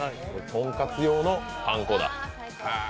とんかつ用のパン粉だ。